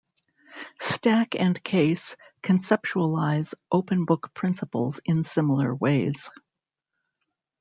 Stack and Case conceptualize open-book principles in similar ways.